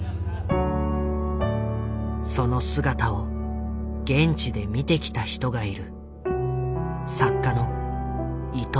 その姿を現地で見てきた人がいる。